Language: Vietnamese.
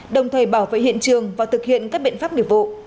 đồng thời bảo vệ hiện trường và thực hiện các biện pháp nghiệp vụ